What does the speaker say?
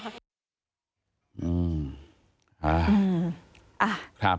อ่า